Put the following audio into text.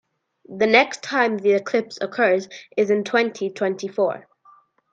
The next time the eclipse occurs is in twenty-twenty-four.